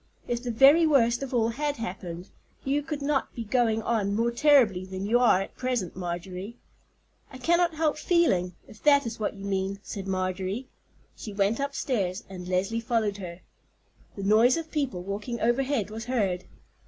If the very worst of all had happened, you could not be going on more terribly than you are at present, Marjorie." "I cannot help feeling, if that is what you mean," said Marjorie. She went upstairs, and Leslie followed her. The noise of people walking overhead was heard.